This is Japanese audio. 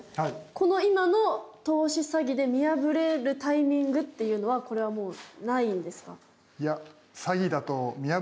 この今の投資詐欺で見破れるタイミングっていうのはこれはもうないんですか？